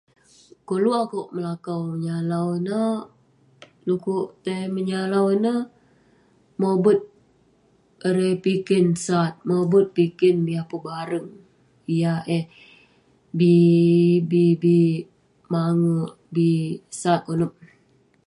Koluk akouk melakau menyalau ineh, du'kuk tai menyalau ineh, mobet..erei.. piken sat..mobet piken yah pebareng..yah eh bi..bi..bi..mangerk..bi sat konep..